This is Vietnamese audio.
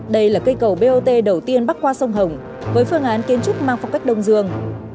đây là cây cầu bot đầu tiên bắc qua sông hồng với phương án kiến trúc mang phong cách đông dương